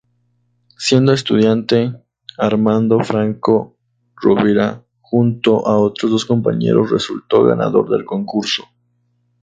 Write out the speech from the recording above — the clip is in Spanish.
Siendo estudiante, Armando Franco Rovira junto a otros dos compañeros resultó ganador del concurso.